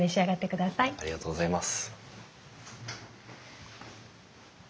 ありがとうございます。